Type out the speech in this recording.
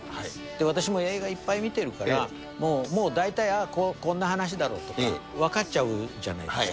私も映画いっぱい見てるから、もう大体こんな話だろうとか、分かっちゃうじゃないですか。